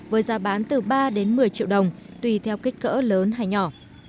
với giá bán từ ba đến một mươi triệu đồng tùy theo kích cỡ lớn hay nhỏ